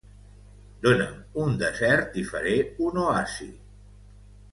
Dona'm un desert i faré un oasi.